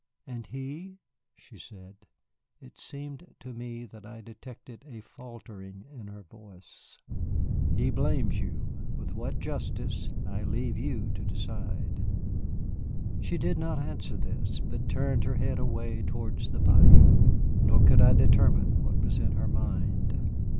"And he?" she said. It seemed to me that I detected a faltering in her voice. "I will hide nothing from you. He blames you, with what justice I leave you to decide." She did not answer this, but turned her head away towards the bayou. Nor could I determine what was in her mind.